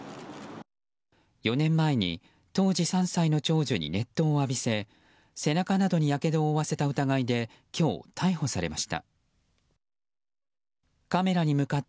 ４年前に当時３歳の長女に熱湯を浴びせ背中などにやけどを負わせた疑いで今日、逮捕されました。